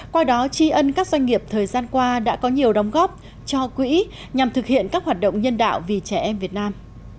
qua đó tri ân các doanh nghiệp thời gian qua đã có nhiều đóng góp cho quỹ nhằm thực hiện các hoạt động nhân đạo vì trẻ em việt nam